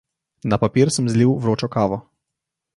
Na papir sem zlil vročo kavo.